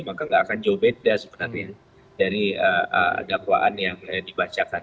tidak akan juga berbeda sebenarnya dari dakwaan yang dibacakan